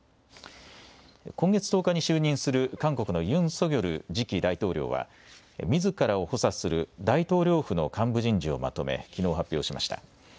今月１０日に就任する韓国のユン・ソギョル次期大統領はみずからを補佐する大統領府の幹部人事をまとめきのう発表しました。